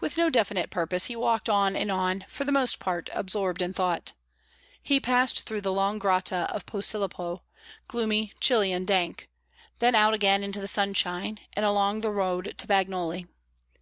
With no definite purpose, he walked on and on, for the most part absorbed in thought. He passed through the long grotta of Posillipo, gloomy, chilly, and dank; then out again into the sunshine, and along the road to Bagnoli.